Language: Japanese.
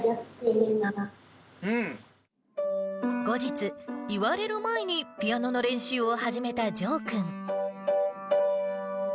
後日、言われる前にピアノの練習を始めたじょう君。